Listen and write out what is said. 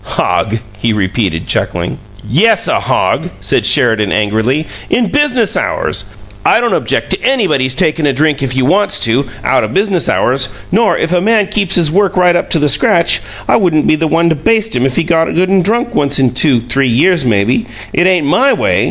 "Hog!" he repeated, chuckling. "Yes, a hog!" said Sheridan, angrily. "In business hours! I don't object to anybody's takin' a drink if you wants to, out o' business hours; nor, if a man keeps his work right up to the scratch, I wouldn't be the one to baste him if he got good an' drunk once in two, three years, maybe. It ain't MY way.